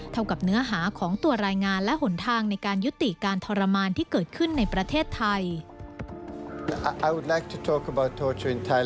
กับเนื้อหาของตัวรายงานและหนทางในการยุติการทรมานที่เกิดขึ้นในประเทศไทย